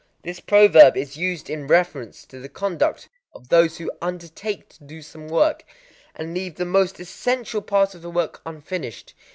This proverb is used in reference to the conduct of those who undertake to do some work, and leave the most essential part of the work unfinished.